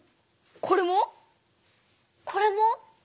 これも？これも？